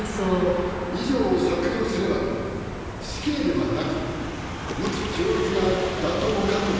以上を酌量すれば死刑ではなく無期懲役が妥当かと思われます。